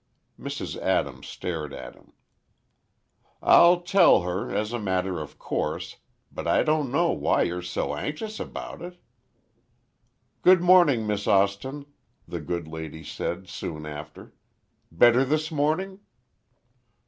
Mrs. Adams stared at him. "I'll tell her, as a matter of course, but I don't know why you're so anxious about it." "Good morning, Miss Austin," the good lady said, soon after, "better this morning?"